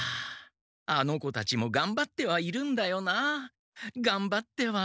あの子たちもがんばってはいるんだよなあがんばっては。